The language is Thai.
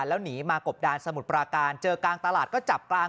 แล้วหนีมากบดานสมุทรปราการเจอกลางตลาดก็จับกลาง